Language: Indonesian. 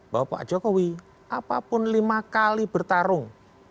bahwa pak jokowi apapun lima kali bertarung